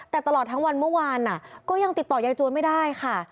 แต่ตลอดทั้งวันเมื่อวานก็ยังติดต่อยายจวนไม่ได้ค่ะ